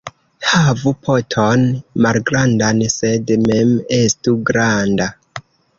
Havu poton malgrandan, sed mem estu granda.